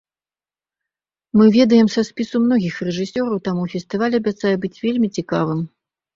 Мы ведаем са спісу многіх рэжысёраў, таму фестываль абяцае быць вельмі цікавым.